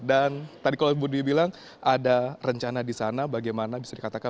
dan tadi kalau ibu dwi bilang ada rencana di sana bagaimana bisa dikatakan